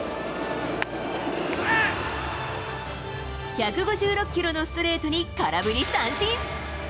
１５６キロのストレートに空振り三振。